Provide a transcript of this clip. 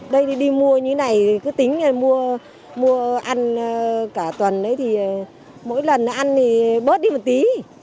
đây thì đi mua như thế này cứ tính mua ăn cả tuần ấy thì mỗi lần ăn thì bớt đi một tí